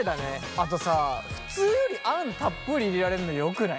あとさ普通よりあんたっぷり入れられるのよくない？